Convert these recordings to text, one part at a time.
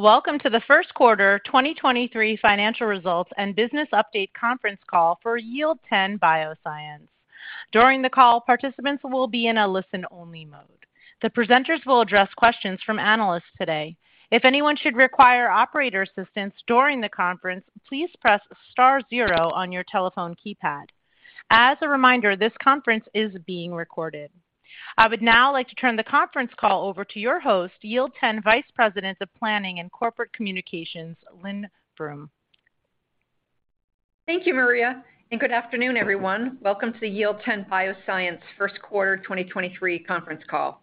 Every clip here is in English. Welcome to the Q1 2023 Financial results and business update conference call for Yield10 Bioscience. During the call, participants will be in a listen-only mode. The presenters will address questions from analysts today. If anyone should require operator assistance during the conference, please press star zero on your telephone keypad. As a reminder, this conference is being recorded. I would now like to turn the conference call over to your host, Yield10 Vice President of Planning, and Corporate Communications, Lynne Brum. Thank you, Maria, and good afternoon, everyone. Welcome to the Yield10 Bioscience Q1 2023 conference call.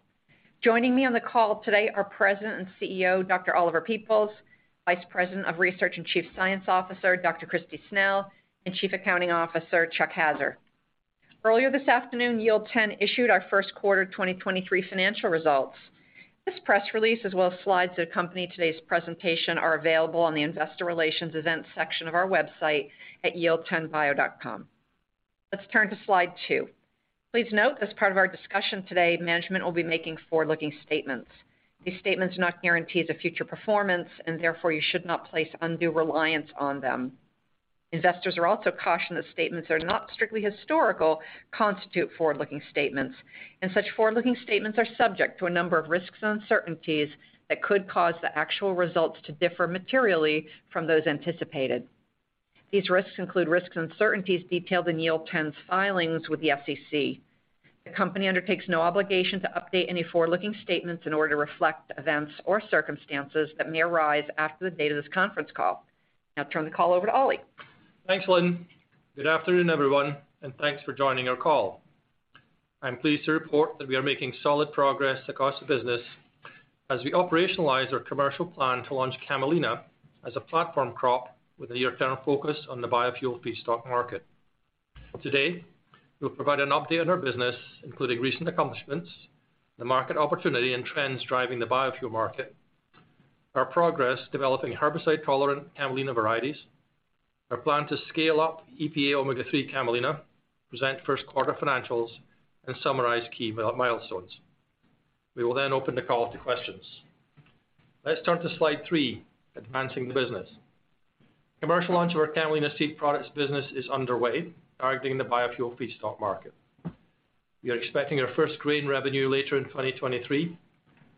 Joining me on the call today are President and CEO, Dr. Oliver Peoples, Vice President of Research, and Chief Science Officer, Dr. Kristi Snell, and Chief Accounting Officer, Chuck Haaser. Earlier this afternoon, Yield10 issued our Q1 2023 financial results. This press release, as well as slides that accompany today's presentation, are available on the investor relations events section of our website at yield10bio.com. Let's turn to slide two. Please note, as part of our discussion today, management will be making forward-looking statements. These statements are not guarantees of future performance. Therefore, you should not place undue reliance on them. Investors are also cautioned that statements that are not strictly historical constitute forward-looking statements. Such forward-looking statements are subject to a number of risks and uncertainties that could cause the actual results to differ materially from those anticipated. These risks include risks and uncertainties detailed in Yield10's filings with the SEC. The company undertakes no obligation to update any forward-looking statements in order to reflect events or circumstances that may arise after the date of this conference call. Now I turn the call over to Ollie. Thanks, Lynne. Good afternoon, everyone, thanks for joining our call. I'm pleased to report that we are making solid progress across the business as we operationalize our commercial plan to launch Camelina as a platform crop with a near-term focus on the Biofuel feedstock market. Today, we'll provide an update on our business, including recent accomplishments, the market opportunity and trends driving the Biofuel market, our progress developing herbicide-tolerant Camelina varieties, our plan to scale up EPA omega-3 Camelina, present Q1 financials and summarize key milestones. We will open the call to questions. Let's turn to slide three, advancing the business. Commercial launch of our Camelina seed products business is underway, targeting the Biofuel feedstock market. We are expecting our first grain revenue later in 2023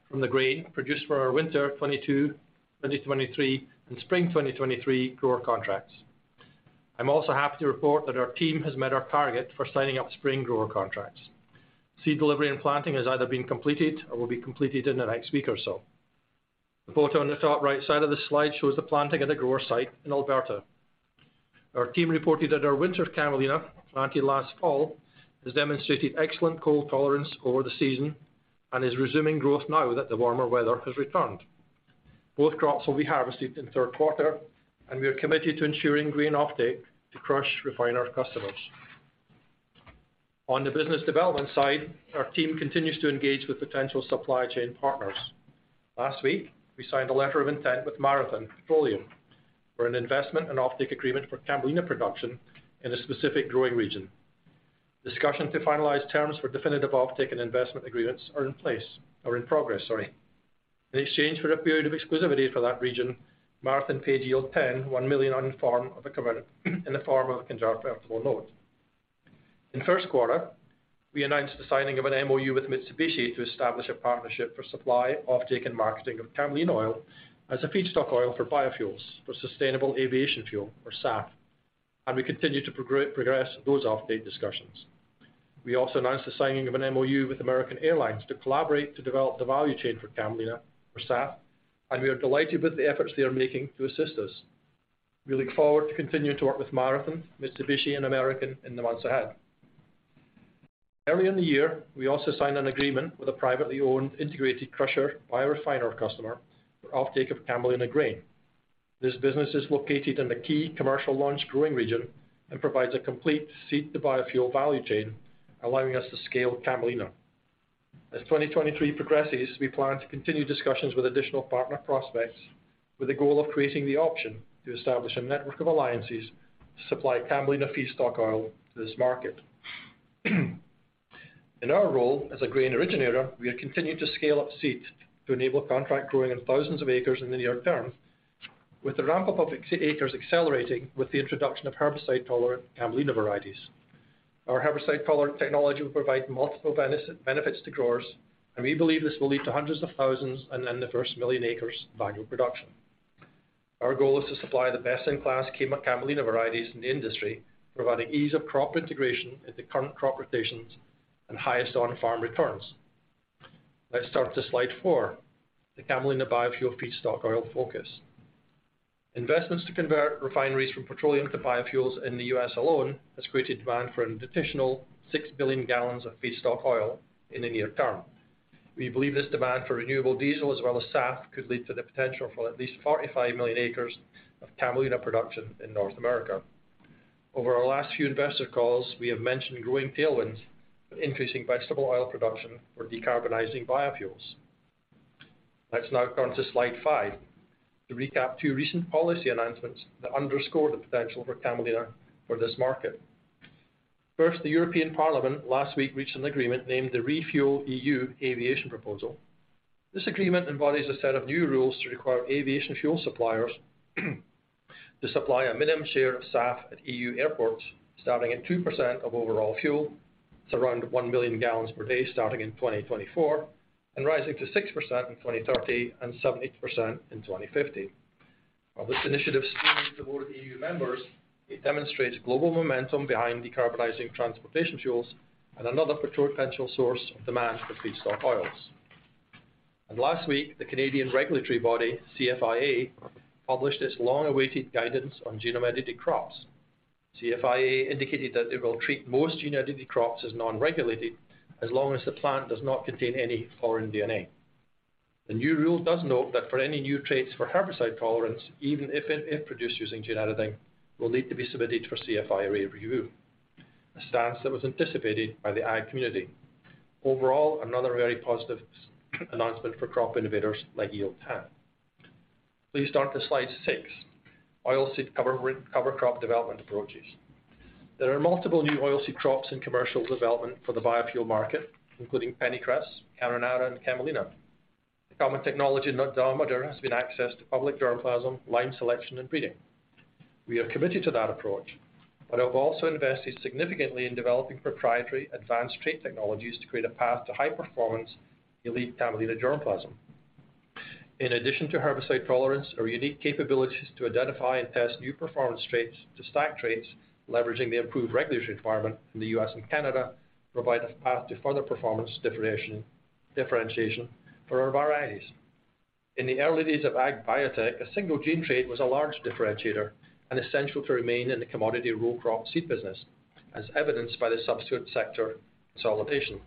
from the grain produced for our winter 2022, 2023 and spring 2023 grower contracts. I'm also happy to report that our team has met our target for signing up spring grower contracts. Seed delivery and planting has either been completed or will be completed in the next week or so. The photo on the top right side of this slide shows the planting at the grower site in Alberta. Our team reported that our winter Camelina, planted last fall, has demonstrated excellent cold tolerance over the season and is resuming growth now that the warmer weather has returned. Both crops will be harvested in Q3, and we are committed to ensuring grain offtake to crush refiner customers. On the business development side, our team continues to engage with potential supply chain partners. Last week, we signed a letter of intent with Marathon Petroleum for an investment and offtake agreement for Camelina production in a specific growing region. Discussion to finalize terms for definitive offtake and investment agreements are in progress, sorry. In exchange for a period of exclusivity for that region, Marathon paid Yield10 $1 million in the form of a convertible note. In Q1, we announced the signing of an MOU with Mitsubishi to establish a partnership for supply, offtake, and marketing of Camelina oil as a feedstock oil for Biofuels, for sustainable aviation fuel, or SAF. We continue to progress those offtake discussions. We also announced the signing of an MOU with American Airlines to collaborate to develop the value chain for Camelina for SAF. We are delighted with the efforts they are making to assist us. We look forward to continuing to work with Marathon, Mitsubishi, and American in the months ahead. Early in the year, we also signed an agreement with a privately owned integrated crusher by a refiner customer for offtake of Camelina grain. This business is located in the key commercial launch growing region and provides a complete seed-to-Biofuel value chain, allowing us to scale Camelina. As 2023 progresses, we plan to continue discussions with additional partner prospects with the goal of creating the option to establish a network of alliances to supply Camelina feedstock oil to this market. In our role as a grain originator, we are continuing to scale up seed to enable contract growing in thousands of acres in the near term, with the ramp-up of acres accelerating with the introduction of herbicide-tolerant Camelina varieties. Our herbicide-tolerant technology will provide multiple benefits to growers, and we believe this will lead to hundreds of thousands and then the first 1 million acres of annual production. Our goal is to supply the best-in-class Camelina varieties in the industry, providing ease of crop integration into current crop rotations and highest on-farm returns. Let's turn to slide four, the Camelina Biofuel feedstock oil focus. Investments to convert refineries from petroleum to Biofuels in the U.S. alone has created demand for an additional 6 billion gallons of feedstock oil in the near term. We believe this demand for renewable diesel as well as SAF could lead to the potential for at least 45 million acres of Camelina production in North America. Over our last few investor calls, we have mentioned growing tailwinds for increasing vegetable oil production for decarbonizing Biofuels. Let's now turn to slide five to recap two recent policy announcements that underscore the potential for Camelina for this market. First, the European Parliament last week reached an agreement named the ReFuelEU Aviation Proposal. This agreement embodies a set of new rules to require aviation fuel suppliers to supply a minimum share of SAF at EU airports, starting at 2% of overall fuel. It's around 1 million gallons per day starting in 2024, and rising to 6% in 2030 and 7 8% in 2050. While this initiative still needs the board of EU members, it demonstrates global momentum behind decarbonizing transportation fuels and another potential source of demand for feedstock oils. Last week, the Canadian regulatory body, CFIA, published its long-awaited guidance on genome edited crops. CFIA indicated that they will treat most gene edited crops as non-regulated as long as the plant does not contain any foreign DNA. The new rule does note that for any new traits for herbicide tolerance, even if in, if produced using gene editing, will need to be submitted for CFIA review, a stance that was anticipated by the ag community. Overall, another very positive announcement for crop innovators like Yield10. Please turn to slide six, oilseed cover crop development approaches. There are multiple new oilseed crops in commercial development for the Biofuel market, including pennycress, Carinata, and Camelina. The common technology denominator has been access to public germplasm, line selection, and breeding. We are committed to that approach, but have also invested significantly in developing proprietary advanced trait technologies to create a path to high performance elite Camelina germplasm. In addition to herbicide tolerance, our unique capabilities to identify and test new performance traits to stack traits, leveraging the improved regulatory environment in the U.S. and Canada, provide a path to further performance differentiation for our varieties. In the early days of ag biotech, a single gene trait was a large differentiator and essential to remain in the commodity row crop seed business, as evidenced by the subsequent sector consolidation.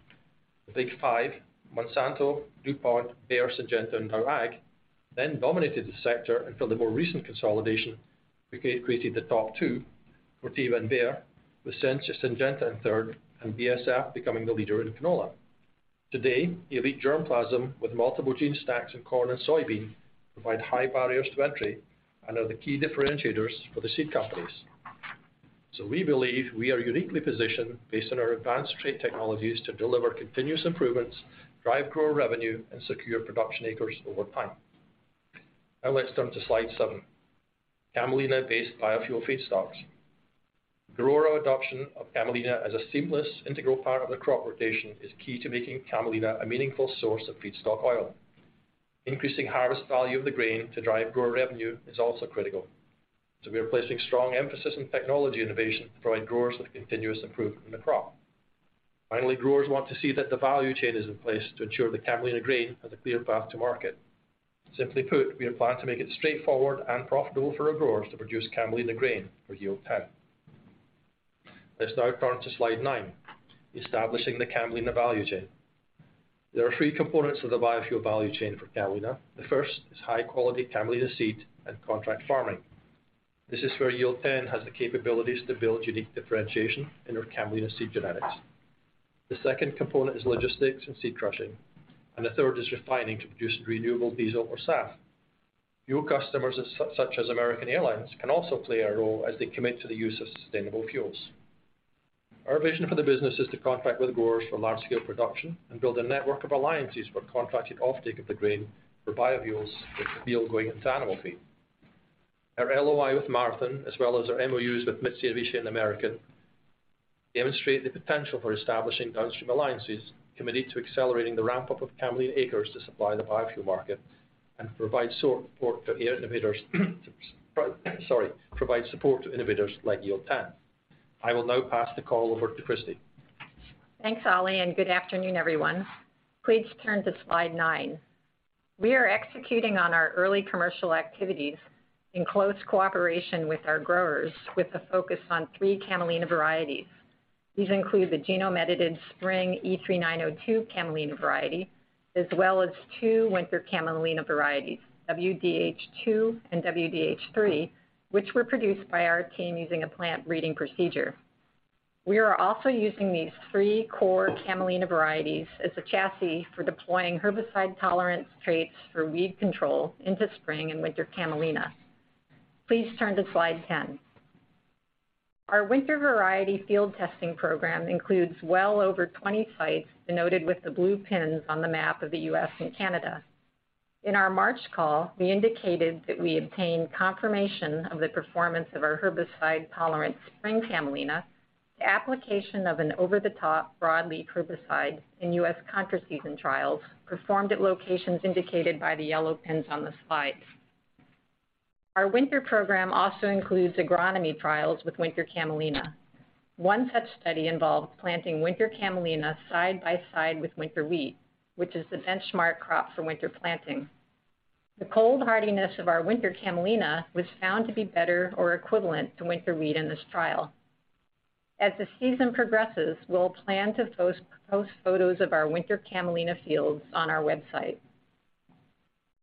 The Big Five, Monsanto, DuPont, Bayer, Syngenta, and DowAg dominated the sector until the more recent consolidation, which created the top two, Corteva and Bayer, with Syngenta in third, and BASF becoming the leader in canola. Today, elite germplasm with multiple gene stacks in corn and soybean provide high barriers to entry and are the key differentiators for the seed companies. We believe we are uniquely positioned based on our advanced trait technologies to deliver continuous improvements, drive grower revenue, and secure production acres over time. Now let's turn to slide seven, Camelina-based Biofuel feedstocks. Grower adoption of Camelina as a seamless integral part of the crop rotation is key to making Camelina a meaningful source of feedstock oil. Increasing harvest value of the grain to drive grower revenue is also critical. We are placing strong emphasis on technology innovation to provide growers with continuous improvement in the crop. Finally, growers want to see that the value chain is in place to ensure the Camelina grain has a clear path to market. Simply put, we have planned to make it straightforward and profitable for our growers to produce Camelina grain for Yield10. Let's now turn to slide nine, establishing the Camelina value chain. There are three components of the Biofuel value chain for Camelina. The first is high quality Camelina seed and contract farming. This is where Yield10 has the capabilities to build unique differentiation in their Camelina seed genetics. The second component is logistics and seed crushing, and the third is refining to produce renewable diesel or SAF. Fuel customers such as American Airlines can also play a role as they commit to the use of sustainable fuels. Our vision for the business is to contract with growers for large scale production and build a network of alliances for contracted offtake of the grain for Biofuels with the meal going into animal feed. Our LOI with Marathon, as well as our MOUs with Mitsubishi and American, demonstrate the potential for establishing downstream alliances committed to accelerating the ramp-up of Camelina acres to supply the Biofuel market and provide support, sorry, to innovators like Yield10. I will now pass the call over to Kristi. Thanks, Ollie, and good afternoon, everyone. Please turn to slide nine. We are executing on our early commercial activities in close cooperation with our growers, with a focus on three Camelina varieties. These include the genome-edited spring E3902 Camelina variety, as well as two winter Camelina varieties, WDH2 and WDH3, which were produced by our team using a plant breeding procedure. We are also using these three core Camelina varieties as a chassis for deploying herbicide-tolerant traits for weed control into spring and winter Camelina. Please turn to slide 10. Our winter variety field testing program includes well over 20 sites denoted with the blue pins on the map of the U.S. and Canada. In our March call, we indicated that we obtained confirmation of the performance of our herbicide-tolerant spring Camelina, the application of an over-the-top broadleaf herbicide in US counter season trials performed at locations indicated by the yellow pins on the slides. Our winter program also includes agronomy trials with winter Camelina. One such study involved planting winter Camelina side by side with winter wheat, which is the benchmark crop for winter planting. The cold hardiness of our winter Camelina was found to be better or equivalent to winter wheat in this trial. As the season progresses, we'll plan to post photos of our winter Camelina fields on our website.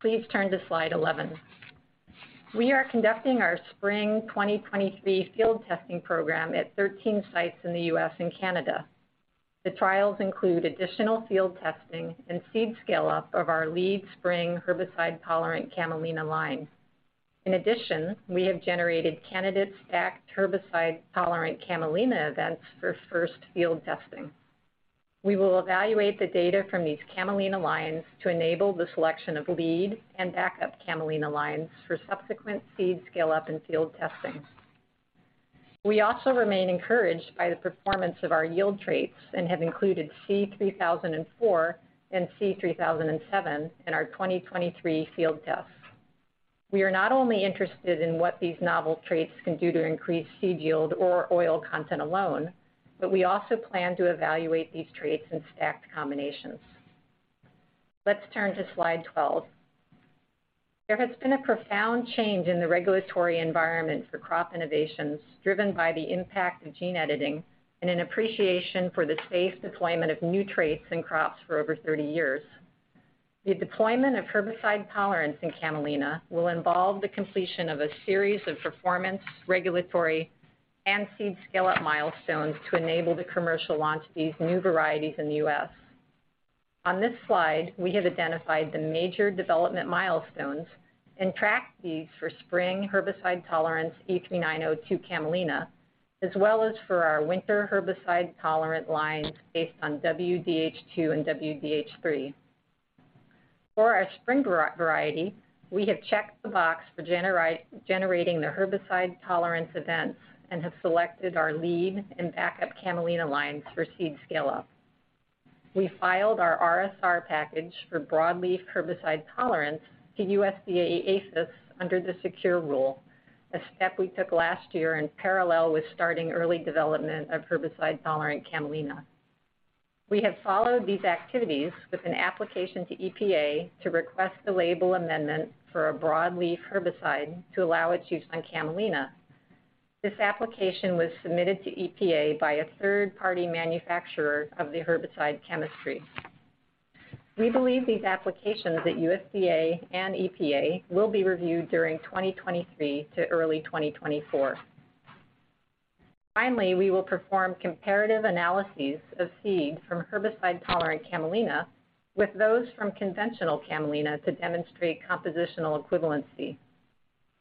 Please turn to slide 11. We are conducting our spring 2023 field testing program at 13 sites in the US and Canada. The trials include additional field testing and seed scale-up of our lead spring herbicide-tolerant Camelina line. In addition, we have generated candidate stacked herbicide-tolerant Camelina events for first field testing. We will evaluate the data from these Camelina lines to enable the selection of lead and backup Camelina lines for subsequent seed scale-up and field testing. We also remain encouraged by the performance of our yield traits and have included C3004 and C3007 in our 2023 field tests. We are not only interested in what these novel traits can do to increase seed yield or oil content alone, but we also plan to evaluate these traits in stacked combinations. Let's turn to slide 12. There has been a profound change in the regulatory environment for crop innovations driven by the impact of gene editing and an appreciation for the safe deployment of new traits in crops for over 30 years. The deployment of herbicide tolerance in Camelina will involve the completion of a series of performance, regulatory, and seed scale-up milestones to enable the commercial launch of these new varieties in the U.S. On this slide, we have identified the major development milestones and tracked these for spring herbicide-tolerant E3902 Camelina, as well as for our winter herbicide-tolerant lines based on WDH2 and WDH3. For our spring variety, we have checked the box for generating the herbicide tolerance events and have selected our lead and backup Camelina lines for seed scale-up. We filed our RSR package for broadleaf herbicide tolerance to USDA APHIS under the SECURE Rule, a step we took last year in parallel with starting early development of herbicide-tolerant Camelina. We have followed these activities with an application to EPA to request the label amendment for a broadleaf herbicide to allow its use on Camelina. This application was submitted to EPA by a third-party manufacturer of the herbicide chemistry. We believe these applications at USDA and EPA will be reviewed during 2023 to early 2024. Finally, we will perform comparative analyses of seed from herbicide-tolerant Camelina with those from conventional Camelina to demonstrate compositional equivalency.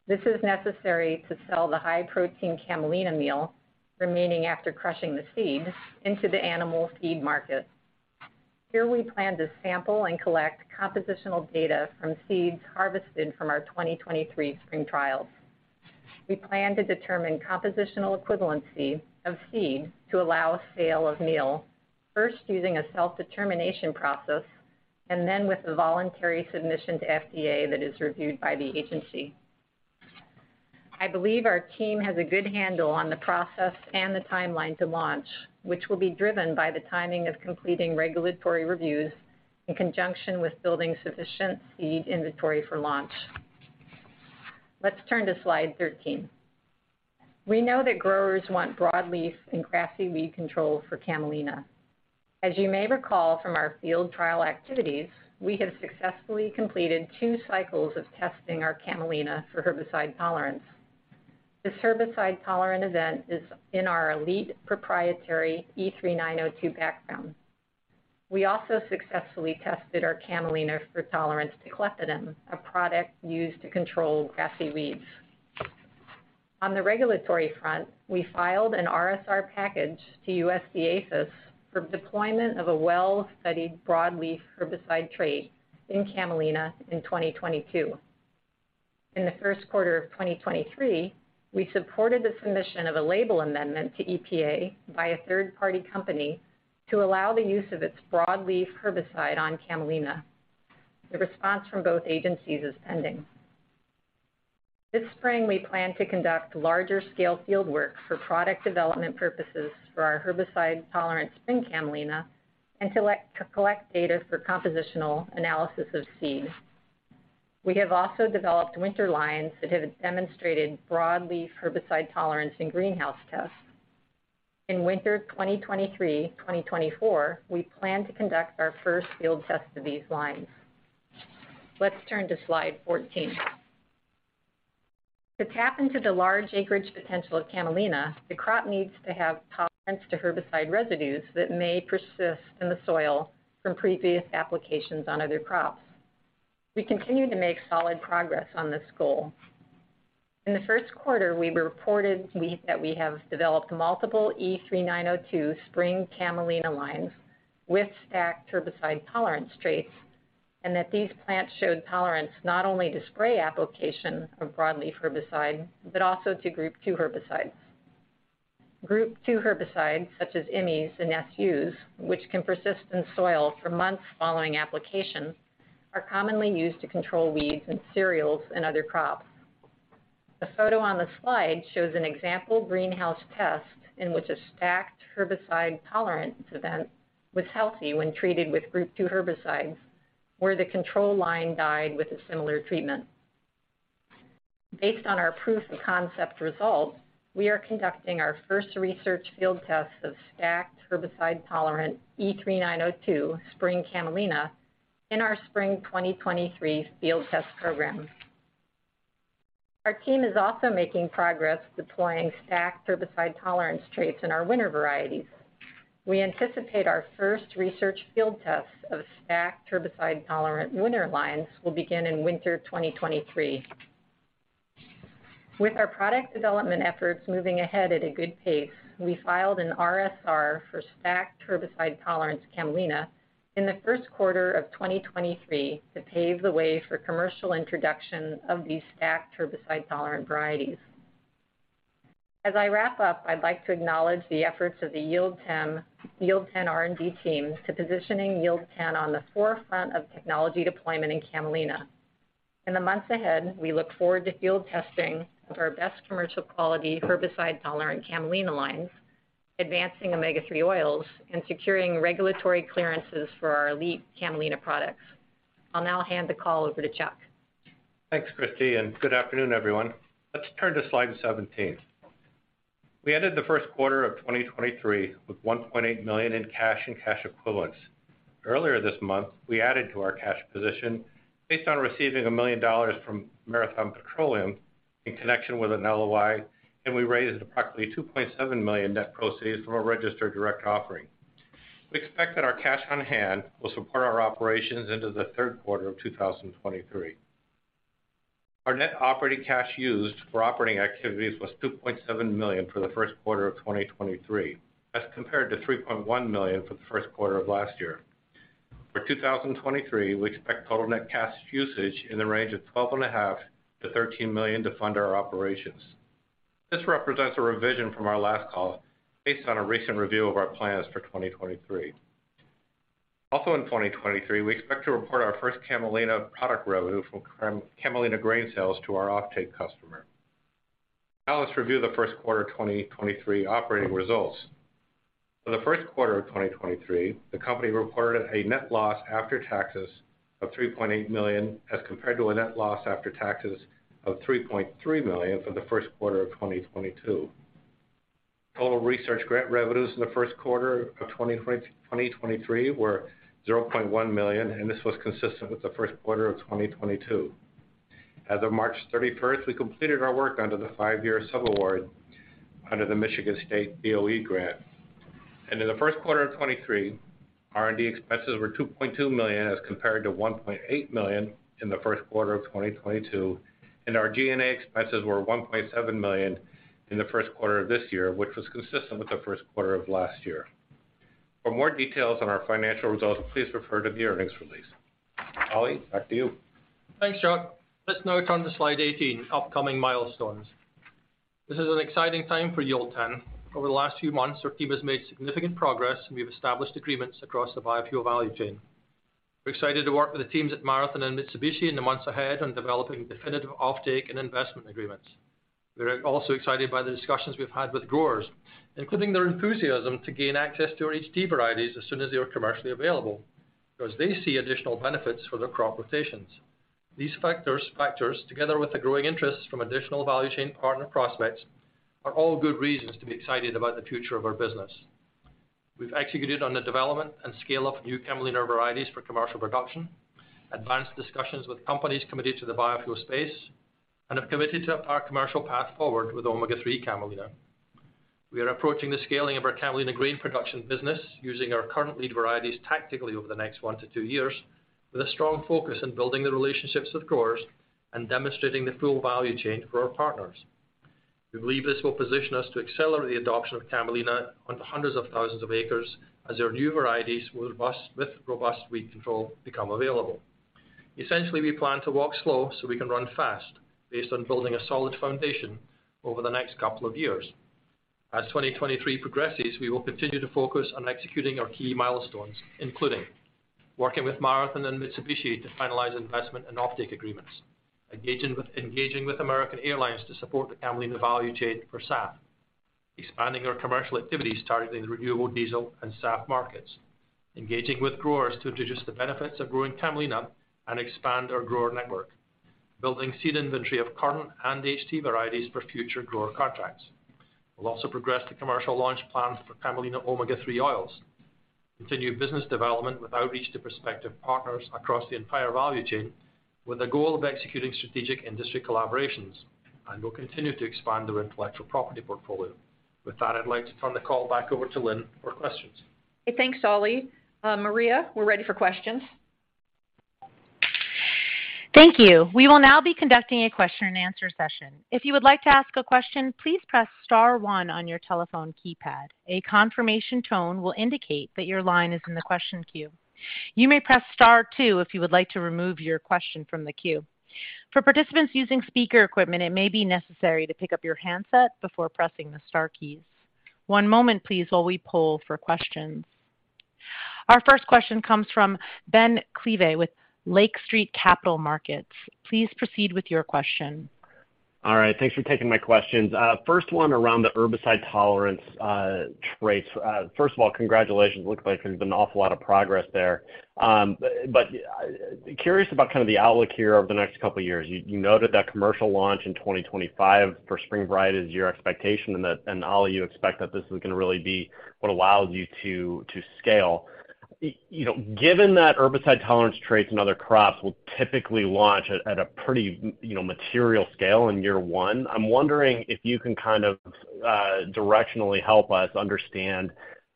This is necessary to sell the high-protein Camelina meal remaining after crushing the seed into the animal feed market. Here, we plan to sample and collect compositional data from seeds harvested from our 2023 spring trials. We plan to determine compositional equivalency of seed to allow a sale of meal, first using a self-determination process and then with a voluntary submission to FDA that is reviewed by the agency. I believe our team has a good handle on the process and the timeline to launch, which will be driven by the timing of completing regulatory reviews in conjunction with building sufficient seed inventory for launch. Let's turn to slide 13. We know that growers want broadleaf and grassy weed control for Camelina. As you may recall from our field trial activities, we have successfully completed two cycles of testing our Camelina for herbicide tolerance. This herbicide-tolerant event is in our elite proprietary E3902 background. We also successfully tested our Camelina for tolerance to clethodim, a product used to control grassy weeds. On the regulatory front, we filed an RSR package to USDA-APHIS for deployment of a well-studied broadleaf herbicide trait in Camelina in 2022. In the Q1 of 2023, we supported the submission of a label amendment to EPA by a third-party company to allow the use of its broadleaf herbicide on Camelina. The response from both agencies is pending. This spring, we plan to conduct larger scale field work for product development purposes for our herbicide-tolerant spring Camelina and collect, to collect data for compositional analysis of seed. We have also developed winter lines that have demonstrated broadleaf herbicide tolerance in greenhouse tests. In winter 2023/2024, we plan to conduct our first field tests of these lines. Let's turn to slide 14. To tap into the large acreage potential of Camelina, the crop needs to have tolerance to herbicide residues that may persist in the soil from previous applications on other crops. We continue to make solid progress on this goal. In the Q1, we reported that we have developed multiple E3902 spring Camelina lines with stacked herbicide-tolerant traits and that these plants showed tolerance not only to spray application of broadleaf herbicide, but also to Group two herbicides. Group two herbicides such as IMIs and SUs, which can persist in soil for months following application, are commonly used to control weeds in cereals and other crops. The photo on the slide shows an example greenhouse test in which a stacked herbicide-tolerant event was healthy when treated with Group 2 herbicides, where the control line died with a similar treatment. Based on our proof-of-concept results, we are conducting our first research field tests of stacked herbicide-tolerant E3902 spring Camelina in our spring 2023 field test program. Our team is also making progress deploying stacked herbicide tolerance traits in our winter varieties. We anticipate our first research field tests of stacked herbicide-tolerant winter lines will begin in winter 2023. With our product development efforts moving ahead at a good pace, we filed an RSR for stacked herbicide-tolerant Camelina in the Q1 of 2023 to pave the way for commercial introduction of these stacked herbicide-tolerant varieties. As I wrap up, I'd like to acknowledge the efforts of the Yield10 R&D team to positioning Yield10 on the forefront of technology deployment in Camelina. In the months ahead, we look forward to field testing of our best commercial quality herbicide-tolerant Camelina lines, advancing omega-3 oils, and securing regulatory clearances for our elite Camelina products. I'll now hand the call over to Chuck. Thanks, Kristi. Good afternoon, everyone. Let's turn to slide 17. We ended the Q1 of 2023 with $1.8 million in cash and cash equivalents. Earlier this month, we added to our cash position based on receiving $1 million from Marathon Petroleum in connection with an LOI, and we raised approximately $2.7 million net proceeds from a registered direct offering. We expect that our cash on hand will support our operations into the Q3 of 2023. Our net operating cash used for operating activities was $2.7 million for the Q1 of 2023, as compared to $3.1 million for the Q1 of last year. For 2023, we expect total net cash usage in the range of $12 and a half million to $13 million to fund our operations. This represents a revision from our last call based on a recent review of our plans for 2023. Also in 2023, we expect to report our first Camelina product revenue from Camelina grain sales to our offtake customer. Now let's review the Q1 of 2023 operating results. For the Q1 of 2023, the company reported a net loss after taxes of $3.8 million, as compared to a net loss after taxes of $3.3 million for the Q1 of 2022. Total research grant revenues in the Q1 of 2023 were $0.1 million, and this was consistent with the Q1 of 2022. As of March 31st, we completed our work under the 5-year subaward under the Michigan State DOE grant. In the Q1 of 2023, R&D expenses were $2.2 million, as compared to $1.8 million in the Q1 of 2022, and our G&A expenses were $1.7 million in the Q1 of this year, which was consistent with the Q1 of last year. For more details on our financial results, please refer to the earnings release. Ollie, back to you. Thanks, Chuck. Let's now turn to slide 18, upcoming milestones. This is an exciting time for Yield10. Over the last few months, our team has made significant progress, and we've established agreements across the Biofuel value chain. We're excited to work with the teams at Marathon and Mitsubishi in the months ahead on developing definitive offtake and investment agreements. We're also excited by the discussions we've had with growers, including their enthusiasm to gain access to our HT varieties as soon as they are commercially available, because they see additional benefits for their crop rotations. These factors, together with the growing interest from additional value chain partner prospects, are all good reasons to be excited about the future of our business. We've executed on the development and scale-up of new Camelina varieties for commercial production, advanced discussions with companies committed to the Biofuel space, and have committed to our commercial path forward with omega-3 Camelina. We are approaching the scaling of our Camelina grain production business using our current lead varieties tactically over the next one to two years, with a strong focus on building the relationships with growers and demonstrating the full value chain for our partners. We believe this will position us to accelerate the adoption of Camelina onto hundreds of thousands of acres as our new varieties with robust weed control become available. Essentially, we plan to walk slow so we can run fast based on building a solid foundation over the next couple of years. As 2023 progresses, we will continue to focus on executing our key milestones, including working with Marathon and Mitsubishi to finalize investment and offtake agreements, engaging with American Airlines to support the Camelina value chain for SAF, expanding our commercial activities targeting the renewable diesel and SAF markets, engaging with growers to introduce the benefits of growing Camelina and expand our grower network, building seed inventory of current and HT varieties for future grower contracts. We'll also progress the commercial launch plans for Camelina omega-3 oils, continue business development with outreach to prospective partners across the entire value chain with the goal of executing strategic industry collaborations. We'll continue to expand our intellectual property portfolio. With that, I'd like to turn the call back over to Lynne for questions. Thanks, Ollie. Maria, we're ready for questions. Thank you. We will now be conducting a question-and-answer session. If you would like to ask a question, please press star one on your telephone keypad. A confirmation tone will indicate that your line is in the question queue. You may press star two if you would like to remove your question from the queue. For participants using speaker equipment, it may be necessary to pick up your handset before pressing the star keys. One moment, please, while we poll for questions. Our first question comes from Ben Klieve with Lake Street Capital Markets. Please proceed with your question. All right. Thanks for taking my questions. First one around the herbicide tolerance traits. First of all, congratulations. Looks like there's been an awful lot of progress there. Curious about kind of the outlook here over the next couple of years. You noted that commercial launch in 2025 for spring variety is your expectation, and Ollie, you expect that this is going to really be what allows you to scale. Given that herbicide tolerance traits in other crops will typically launch at a pretty material scale in year one, I'm wondering if you can kind of directionally help us understand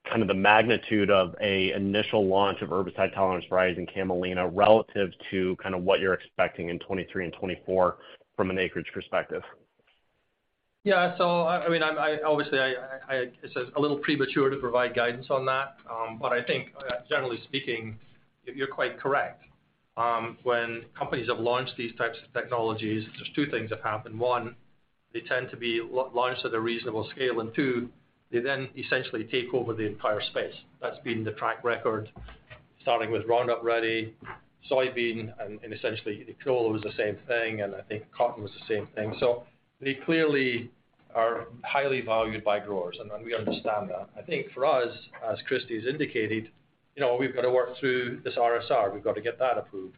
kind of the magnitude of an initial launch of herbicide tolerance varieties in Camelina relative to kind of what you're expecting in 2023 and 2024 from an acreage perspective. Yeah. I mean, obviously, it's a little premature to provide guidance on that. I think, generally speaking, you're quite correct. When companies have launched these types of technologies, there's two things that happen. One, they tend to be launched at a reasonable scale. Two, they then essentially take over the entire space. That's been the track record, starting with Roundup Ready soybean, and essentially canola was the same thing, and I think cotton was the same thing. They clearly are highly valued by growers, and we understand that. I think for us, as Kristi's indicated, you know, we've got to work through this RSR. We've got to get that approved.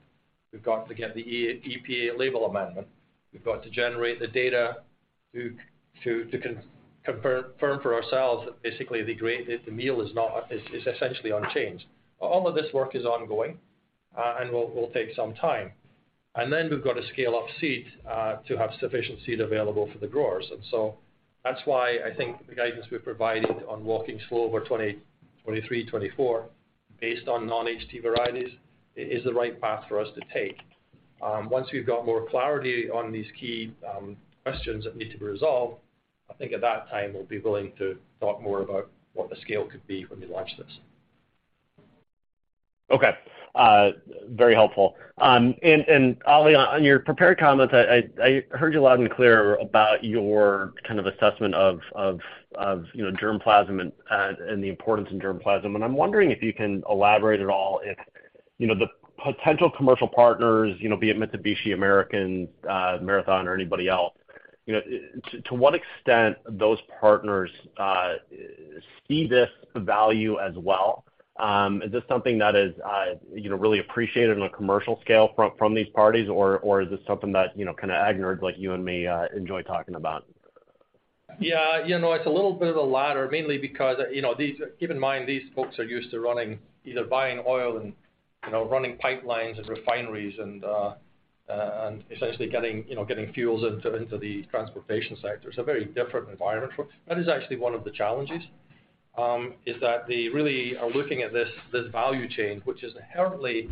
We've got to get the EPA label amendment. We've got to generate the data to confirm for ourselves that basically the meal is essentially unchanged. All of this work is ongoing and will take some time. We've got to scale up seed to have sufficient seed available for the growers. That's why I think the guidance we've provided on walking slow over 2023, 2024 based on non HT varieties is the right path for us to take. Once we've got more clarity on these key questions that need to be resolved, I think at that time we'll be willing to talk more about what the scale could be when we launch this. Okay. Very helpful. Oli, on your prepared comments, I heard you loud and clear about your kind of assessment of, you know, germ plasm and the importance in germ plasm. I'm wondering if you can elaborate at all, if, you know, the potential commercial partners, you know, be it Mitsubishi, American, Marathon or anybody else, you know, to what extent those partners see this value as well? Is this something that is, you know, really appreciated on a commercial scale from these parties, or is this something that, you know, kind of agnerds like you and me enjoy talking about? You know, it's a little bit of the latter, mainly because, you know, keep in mind, these folks are used to running, either buying oil and, you know, running pipelines and refineries and essentially getting, you know, getting fuels into the transportation sector. It's a very different environment. That is actually one of the challenges, is that they really are looking at this value chain, which is inherently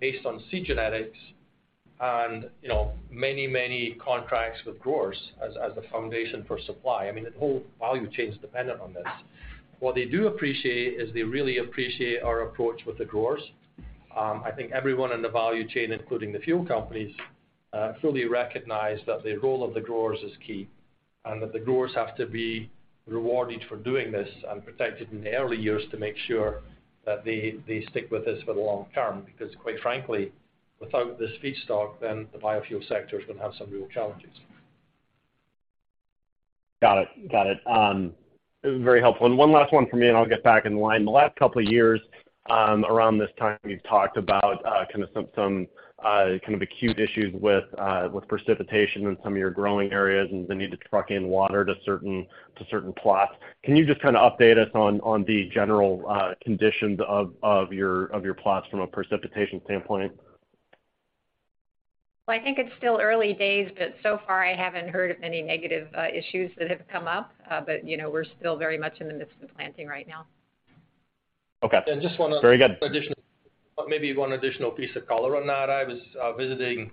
based on seed genetics and, you know, many, many contracts with growers as the foundation for supply. I mean, the whole value chain is dependent on this. What they do appreciate is they really appreciate our approach with the growers. I think everyone in the value chain, including the fuel companies, fully recognize that the role of the growers is key, and that the growers have to be rewarded for doing this and protected in the early years to make sure that they stick with this for the long term. Quite frankly, without this feedstock, then the Biofuel sector is gonna have some real challenges. Got it. Got it. Very helpful. One last one from me, and I'll get back in line. The last couple of years, around this time, you've talked about kinda some kind of acute issues with precipitation in some of your growing areas and the need to truck in water to certain plots. Can you just kinda update us on the general conditions of your plots from a precipitation standpoint? I think it's still early days, but so far I haven't heard of any negative issues that have come up, you know, we're still very much in the midst of planting right now. Okay. And just wanna- Very good.... maybe one additional piece of color on that. I was visiting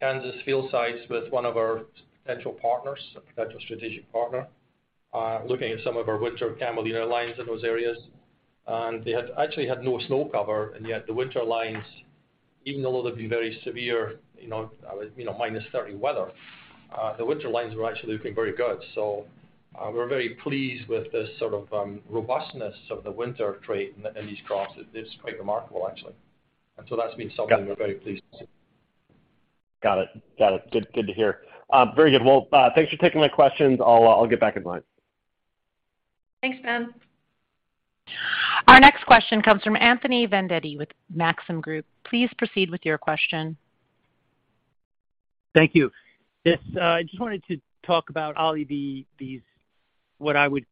Kansas field sites with one of our potential partners, a potential strategic partner, looking at some of our winter Camelina lines in those areas. They had actually had no snow cover, and yet the winter lines, even though there'd been very severe, you know, you know, -30 weather, the winter lines were actually looking very good. We're very pleased with this sort of robustness of the winter trait in these crops. It's quite remarkable actually. That's been something. Got it. We're very pleased with. Got it. Good to hear. Very good. Well, thanks for taking my questions. I'll get back in line. Thanks, Ben. Our next question comes from Anthony Vendetti with Maxim Group. Please proceed with your question. Thank you. Yes. I just wanted to talk about, Oli, the, these what I would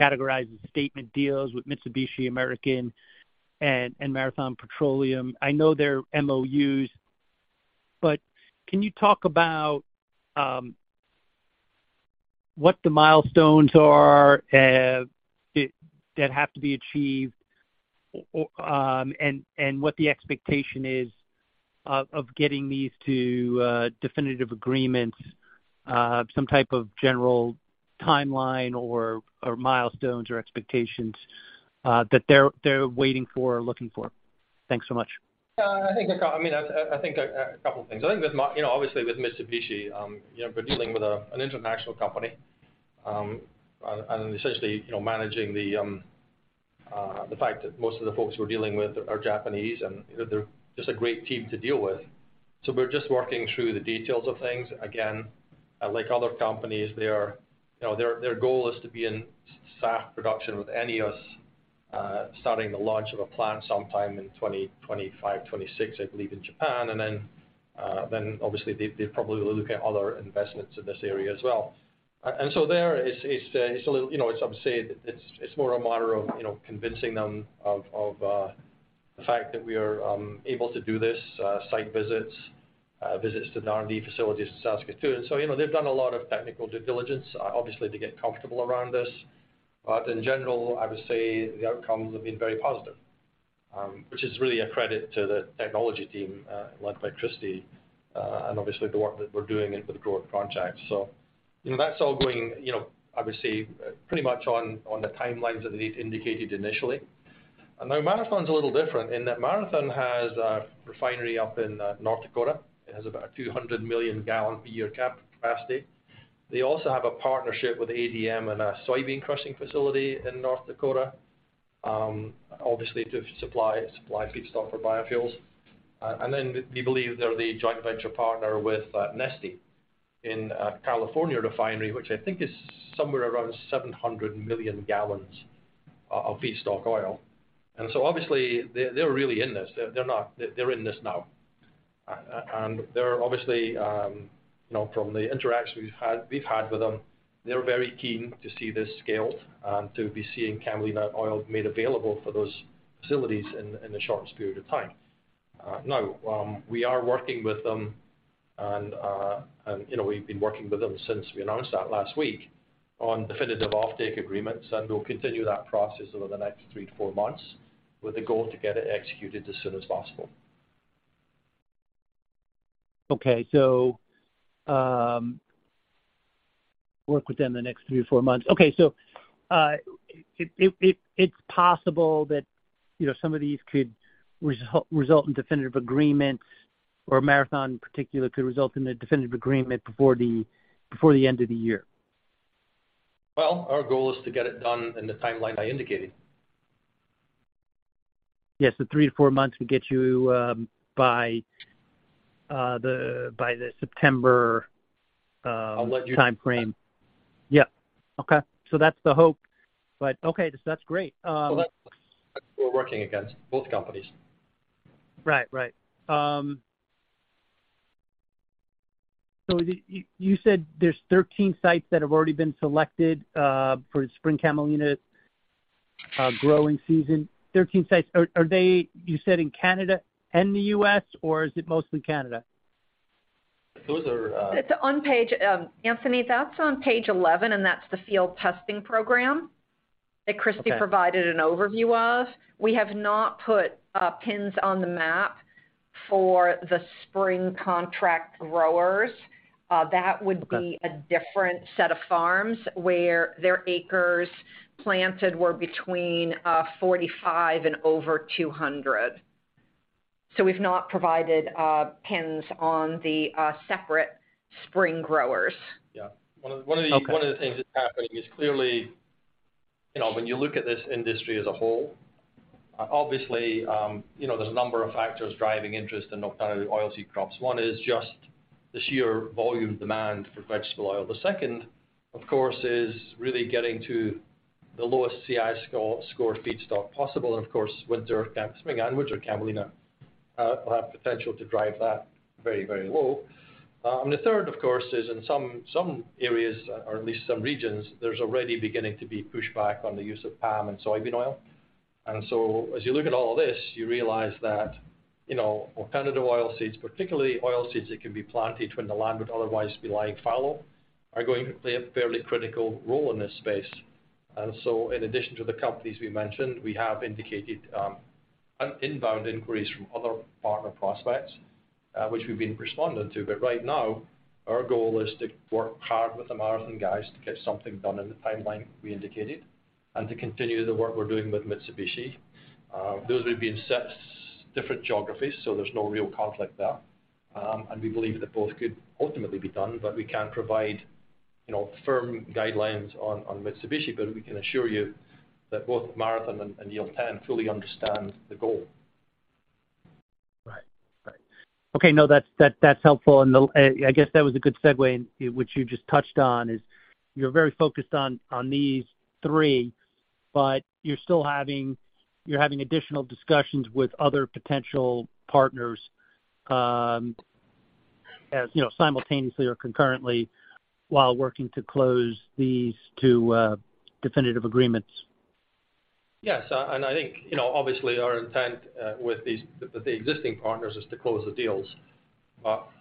categorize as statement deals with Mitsubishi, American, and Marathon Petroleum. I know they're MOUs, but can you talk about what the milestones are that have to be achieved or, and what the expectation is of getting these to definitive agreements, some type of general timeline or milestones or expectations that they're waiting for or looking for? Thanks so much. I think, I mean, I think a couple things. I think with, you know, obviously with Mitsubishi, you know, we're dealing with an international company, and essentially, you know, managing the fact that most of the folks we're dealing with are Japanese, and they're just a great team to deal with. We're just working through the details of things. Again, like other companies, their, you know, their goal is to be in SAF production with ENEOS, starting the launch of a plant sometime in 2025, 2026, I believe, in Japan. Obviously they probably will look at other investments in this area as well. There it's a little, you know, it's obviously it's more a matter of, you know, convincing them of the fact that we are able to do this, site visits to the R&D facilities in Saskatoon. You know, they've done a lot of technical due diligence, obviously, to get comfortable around this. In general, I would say the outcomes have been very positive, which is really a credit to the technology team, led by Kristi, and obviously the work that we're doing into the growth projects. You know, that's all going, you know, obviously, pretty much on the timelines that they've indicated initially. Marathon's a little different in that Marathon has a refinery up in North Dakota. It has about a 200 million gallon per year capacity. They also have a partnership with ADM in a soybean crushing facility in North Dakota, obviously to supply feedstock for Biofuels. We believe they're the joint venture partner with Neste in a California refinery, which I think is somewhere around 700 million gallons of feedstock oil. Obviously they're really in this. They're in this now. They're obviously, you know, from the interactions we've had with them, they're very keen to see this scaled to be seeing Camelina oil made available for those facilities in the shortest period of time. Now, we are working with them, and, you know, we've been working with them since we announced that last week on definitive offtake agreements, and we'll continue that process over the next three to four months with the goal to get it executed as soon as possible. Work with them the next three to four months. It's possible that, you know, some of these could result in definitive agreements or Marathon particularly could result in a definitive agreement before the end of the year. Well, our goal is to get it done in the timeline I indicated. Yes, the three to four months would get you by the September. I'll let you- -timeframe. Yeah. Okay. That's the hope, but okay. That's great. Well, that's what we're working against, both companies. Right. Right. You said there's 13 sites that have already been selected for spring Camelina growing season. 13 sites, are they, you said in Canada and the US, or is it mostly Canada? Those are. It's on Anthony, that's on page 11. That's the field testing program. Okay... that Kristi provided an overview of. We have not put pins on the map for the spring contract growers. Okay... a different set of farms where their acres planted were between 45 and over 200. We've not provided pins on the separate spring growers. Yeah. One of the- Okay... one of the things that's happening is clearly, you know, when you look at this industry as a whole, obviously, you know, there's a number of factors driving interest in oilseed crops. One is just the sheer volume demand for vegetable oil. The second, of course, is really getting to the lowest CI scored feedstock possible. Of course, spring and winter Camelina will have potential to drive that very, very low. The third, of course, is in some areas or at least some regions, there's already beginning to be pushback on the use of palm and soybean oil. As you look at all of this, you realize that, you know, oilseeds, particularly oilseeds that can be planted when the land would otherwise be lying fallow, are going to play a fairly critical role in this space. In addition to the companies we mentioned, we have indicated inbound inquiries from other partner prospects, which we've been responding to. Right now, our goal is to work hard with the Marathon guys to get something done in the timeline we indicated and to continue the work we're doing with Mitsubishi. Those would be in six different geographies, so there's no real conflict there. We believe that both could ultimately be done, but we can't provide, you know, firm guidelines on Mitsubishi. We can assure you that both Marathon and Yield10 fully understand the goal. Right. Right. Okay. No, that's, that's helpful. I guess that was a good segue, and what you just touched on is you're very focused on these three, but you're having additional discussions with other potential partners, as, you know, simultaneously or concurrently while working to close these two definitive agreements. Yes. I think, you know, obviously our intent, with these, with the existing partners is to close the deals.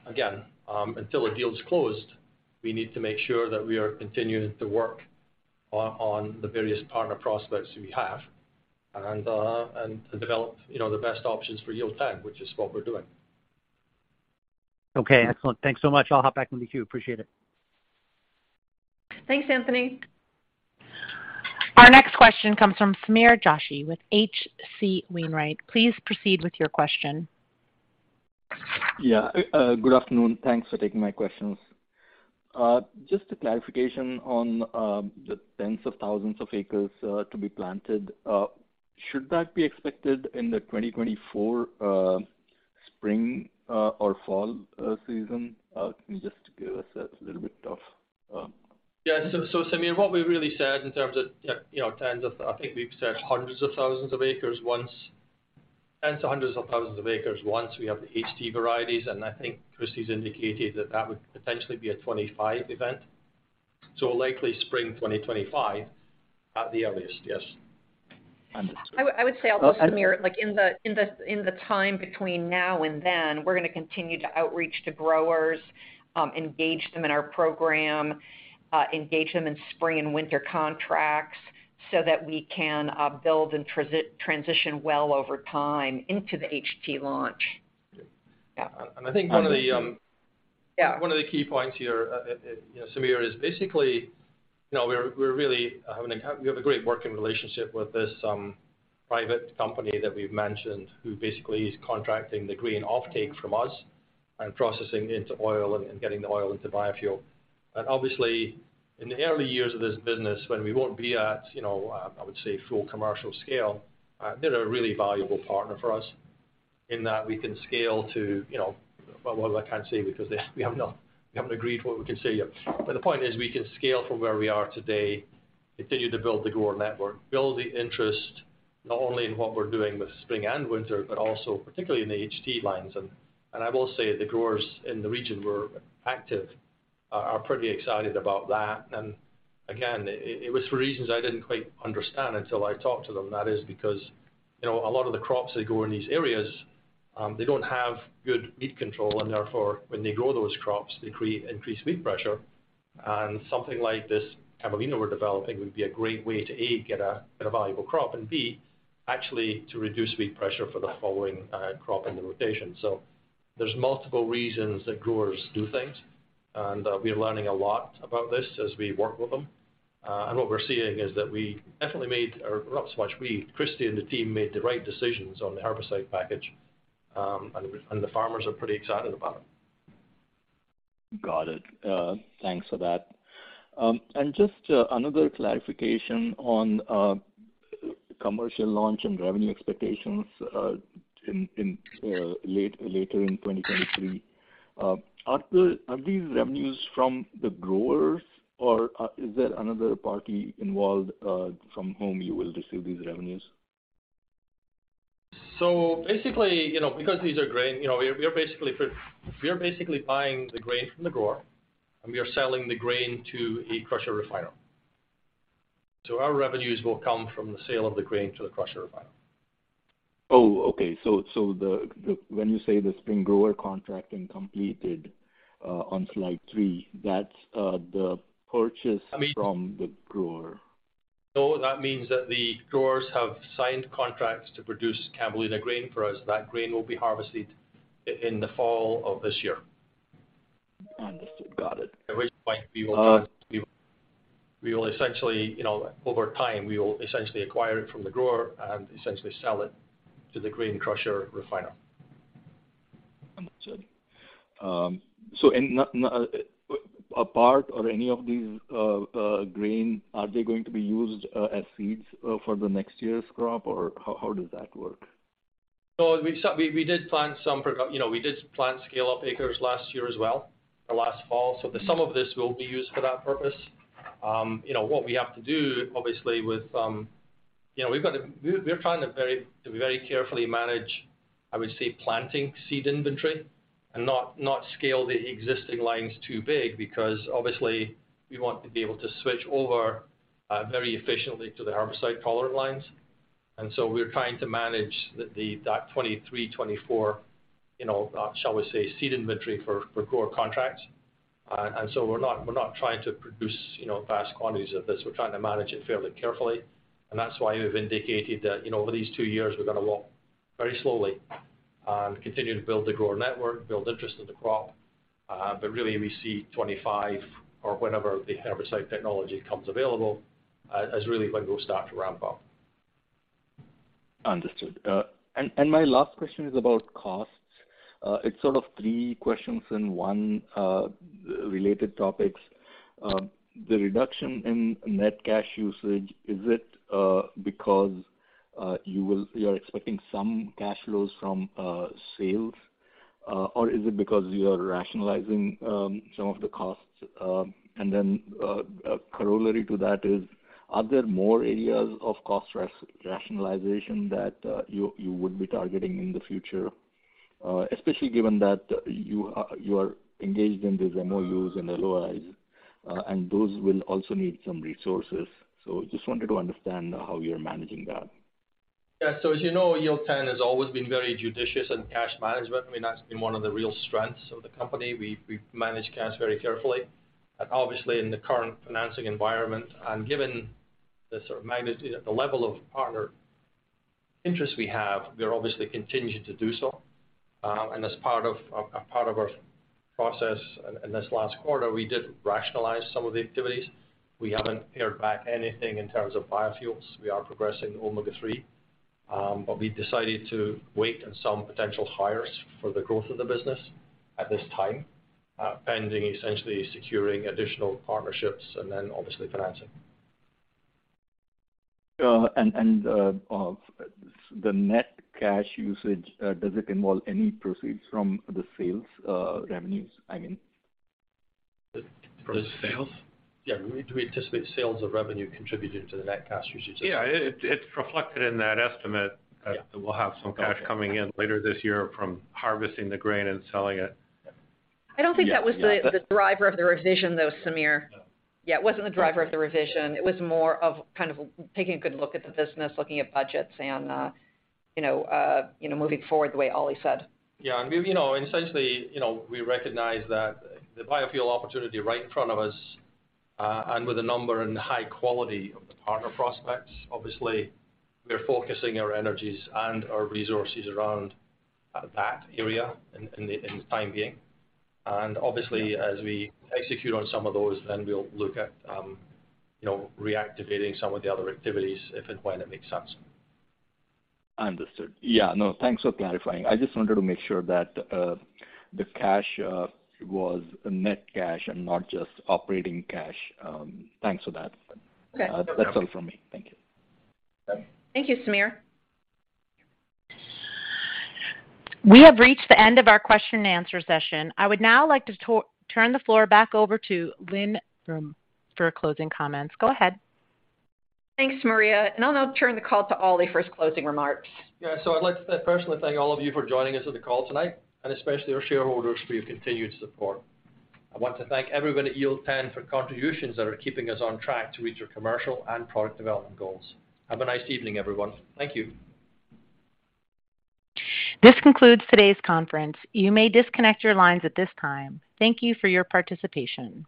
Again, until a deal is closed, we need to make sure that we are continuing to work on the various partner prospects we have and develop, you know, the best options for Yield10, which is what we're doing. Okay. Excellent. Thanks so much. I'll hop back in the queue. Appreciate it. Thanks, Anthony. Our next question comes from Sameer Joshi with H.C. Wainwright. Please proceed with your question. Yeah. Good afternoon. Thanks for taking my questions. Just a clarification on the tens of thousands of acres to be planted. Should that be expected in the 2024 spring or fall season? Can you just give us a little bit of. Yeah. Sameer, what we really said in terms of, you know, I think we've said hundreds of thousands of acres once, tens to hundreds of thousands of acres once we have the HT varieties, and I think Kristi's indicated that that would potentially be a 25 event. Likely spring 2025 at the earliest. Yes. I would say also Sameer, like in the time between now and then, we're gonna continue to outreach to growers, engage them in our program, engage them in spring and winter contracts so that we can build and transition well over time into the HT launch. Yeah. Yeah. I think one of the- Yeah. One of the key points here, you know, Samir, is basically, you know, we're really having a great working relationship with this private company that we've mentioned, who basically is contracting the grain offtake from us and processing into oil and getting the oil into Biofuel. Obviously, in the early years of this business when we won't be at I would say full commercial scale, they're a really valuable partner for us in that we can scale to, you know... Well, I can't say because we haven't agreed what we can say yet. The point is we can scale from where we are today, continue to build the grower network, build the interest, not only in what we're doing with spring and winter, but also particularly in the HT lines. I will say the growers in the region were active, are pretty excited about that. Again, it was for reasons I didn't quite understand until I talked to them, that is because, you know, a lot of the crops they grow in these areas, they don't have good weed control and therefore when they grow those crops, they create increased weed pressure. Something like this Camelina we're developing would be a great way to, A, get a valuable crop, and B, actually to reduce weed pressure for the following crop in the rotation. There's multiple reasons that growers do things, and we're learning a lot about this as we work with them. What we're seeing is that we definitely made, or not so much we, Kristi and the team made the right decisions on the herbicide package, and the farmers are pretty excited about it. Got it. Thanks for that. Just another clarification on commercial launch and revenue expectations, in later in 2023. Are these revenues from the growers or is there another party involved, from whom you will receive these revenues? Basically, you know, because these are grain, you know, we are basically buying the grain from the grower, and we are selling the grain to a crusher refiner. Our revenues will come from the sale of the grain to the crusher refiner. Oh, okay. The when you say the spring grower contracting completed on slide 3, that's the purchase- I mean- -from the grower. No, that means that the growers have signed contracts to produce Camelina grain for us. That grain will be harvested in the fall of this year. Understood. Got it. At which point we will essentially, you know, over time, we will essentially acquire it from the grower and essentially sell it to the grain crusher refiner. Understood. no, a part or any of these, grain, are they going to be used, as seeds, for the next year's crop, or how does that work? We did plant some for... You know, we did plant scale-up acres last year as well, or last fall. Some of this will be used for that purpose. You know, what we have to do obviously with... You know, we've got to we're trying to very carefully manage, I would say, planting seed inventory and not scale the existing lines too big because obviously we want to be able to switch over very efficiently to the herbicide tolerant lines. We're trying to manage the that 23, 24, you know, shall we say, seed inventory for core contracts. We're not trying to produce, you know, vast quantities of this. We're trying to manage it fairly carefully. That's why we've indicated that, you know, over these two years, we're gonna walk very slowly and continue to build the grower network, build interest in the crop. Really we see 25 or whenever the herbicide technology becomes available, as really when we'll start to ramp up. Understood. My last question is about costs. It's sort of three questions in one, related topics. The reduction in net cash usage, is it because You're expecting some cash flows from sales, or is it because you are rationalizing some of the costs? A corollary to that is, are there more areas of cost rationalization that you would be targeting in the future, especially given that you are engaged in these MOUs and LOIs, and those will also need some resources. Just wanted to understand how you're managing that. As you know, Yield10 has always been very judicious in cash management. I mean, that's been one of the real strengths of the company. We've managed cash very carefully. Obviously in the current financing environment, and given the sort of magnitude, the level of partner interest we have, we are obviously continuing to do so. As part of our process in this last quarter, we did rationalize some of the activities. We haven't pared back anything in terms of Biofuels. We are progressing omega-3. But we decided to wait on some potential hires for the growth of the business at this time, pending essentially securing additional partnerships and then obviously financing. The net cash usage, does it involve any proceeds from the sales, revenues, I mean? The sales? Yeah. Do we anticipate sales of revenue contributing to the net cash usage? Yeah. It's reflected in that estimate... Yeah. We'll have some cash coming in later this year from harvesting the grain and selling it. Yeah. Yeah. I don't think that was the driver of the revision though, Samir. No. Yeah, it wasn't the driver of the revision. It was more of kind of taking a good look at the business, looking at budgets and, you know, moving forward the way Ollie said. Yeah. We, you know, essentially, you know, we recognize that the Biofuel opportunity right in front of us, and with the number and the high quality of the partner prospects, obviously we're focusing our energies and our resources around that area in the, in the time being. Obviously as we execute on some of those, then we'll look at, you know, reactivating some of the other activities if and when it makes sense. Understood. Yeah, no, thanks for clarifying. I just wanted to make sure that the cash was net cash and not just operating cash. Thanks for that. Okay. That's all from me. Thank you. Okay. Thank you, Samir. We have reached the end of our question and answer session. I would now like to turn the floor back over to Lynne Brum for closing comments. Go ahead. Thanks, Maria. I'll now turn the call to Ollie for his closing remarks. Yeah. I'd like to personally thank all of you for joining us on the call tonight, and especially our shareholders for your continued support. I want to thank everyone at Yield10 for contributions that are keeping us on track to reach our commercial and product development goals. Have a nice evening, everyone. Thank you. This concludes today's conference. You may disconnect your lines at this time. Thank you for your participation.